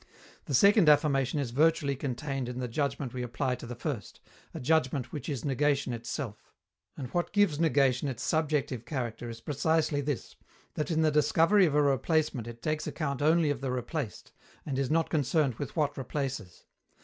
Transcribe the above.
The second affirmation is virtually contained in the judgment we apply to the first, a judgment which is negation itself. And what gives negation its subjective character is precisely this, that in the discovery of a replacement it takes account only of the replaced, and is not concerned with what replaces.